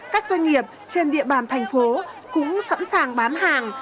các doanh nghiệp trên địa bàn thành phố cũng sẵn sàng bán hàng